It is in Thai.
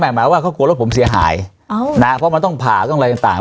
ไหมเขากลัว่ารถผมเสียหายเพราะมันต้องผ่าต่าง